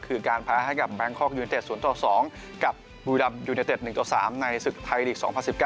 คือการแพ้ให้กับแบงคอกยูเนตเตส๐๒กับบุรัมยูเนตเตส๑๓ในศึกไทยรีค๒๐๑๙